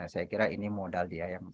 saya kira ini modal dia yang